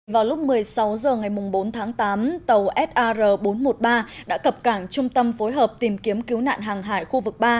vào lúc một mươi sáu h ngày bốn tháng tám tàu sar bốn trăm một mươi ba đã cập cảng trung tâm phối hợp tìm kiếm cứu nạn hàng hải khu vực ba